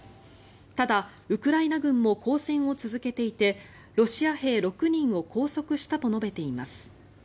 ただ、ウクライナ軍も抗戦を続けていてロシア兵６人を拘束したと述べています。